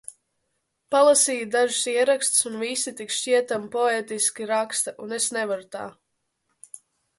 Palasīju dažus ierakstus un visi tik šķietami poētiski raksta un es nevaru tā.